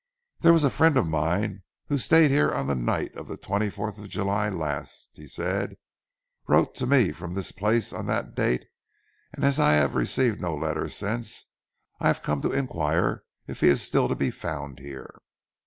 "There was a friend of mine who stayed here on the night of the twenty fourth of July last," he said. "He wrote to me from this place on that date, and as I have received no letter since, I have come to inquire if he is still to be found here?"